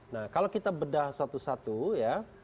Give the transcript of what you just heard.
nah kalau kita bedah satu satu ya